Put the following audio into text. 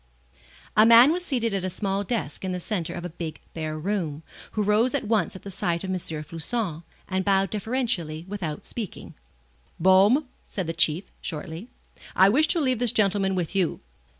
A man was seated at a small desk in the centre of a big bare room, who rose at once at the sight of M. Floçon, and bowed deferentially without speaking. "Baume," said the Chief, shortly, "I wish to leave this gentleman with you.